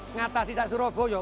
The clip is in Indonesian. ngatas di tak surabaya